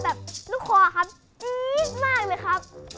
แบบลูกคอครับอื้อมากเลยครับ